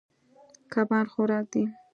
کبان خوراک دي.